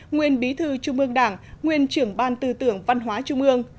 nguyên bí thư trung ương đảng nguyên trưởng ban tư tưởng văn hóa trung ương